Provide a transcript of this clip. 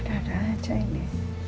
ada ada aja ini